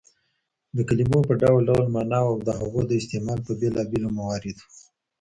د کلیمو په ډول ډول ماناوو او د هغو د استعمال په بېلابيلو مواردو